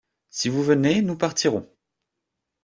Si vous venez, nous partirons.